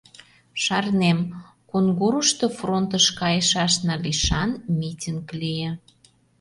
Шарнем: Кунгурышто фронтыш кайышашна лишан митинг лие.